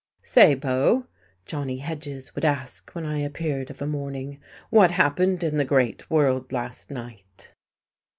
"Say, Beau," Johnny Hedges would ask, when I appeared of a morning, "what happened in the great world last night?"